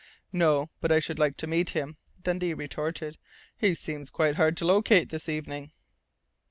"No but I should like to meet him," Dundee retorted. "He seems quite hard to locate this evening."